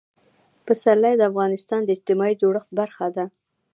پسرلی د افغانستان د اجتماعي جوړښت برخه ده.